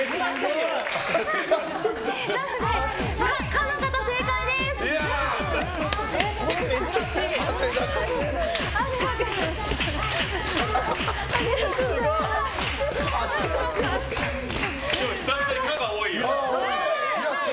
可の方、正解です。